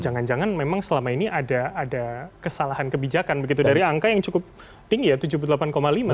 jangan jangan memang selama ini ada kesalahan kebijakan begitu dari angka yang cukup tinggi ya tujuh puluh delapan lima